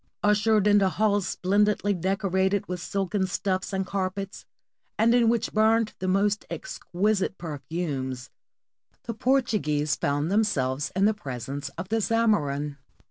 Ushered into halls splendidly decorated with silken stuffs and carpets, and in which burned the most exquisite perfumes, the Portuguese found them selves in the presence of the Zamorin.